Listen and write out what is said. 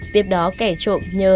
tiếp đó kẻ trộm nhờ